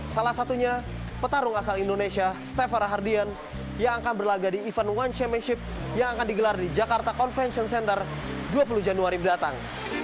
salah satunya petarung asal indonesia stepher hardian yang akan berlaga di event one championship yang akan digelar di jakarta convention center dua puluh januari mendatang